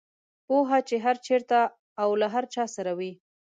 پوهه چې هر چېرته او له هر چا سره وي.